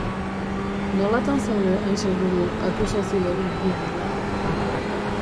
Nolatan zaude hain seguru akusazio hori egia dela?